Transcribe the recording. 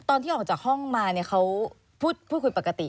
ตอนที่ออกจากห้องมาเขาพูดคุยปกติ